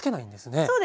そうですね。